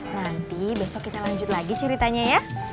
nanti besok kita lanjut lagi ceritanya ya